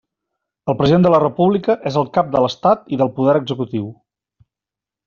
El president de la república és el cap de l'estat i del poder executiu.